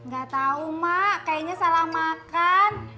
gatau mak kayaknya salah makan